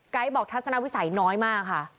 บอกทัศนวิสัยน้อยมากค่ะ